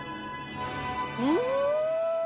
うん！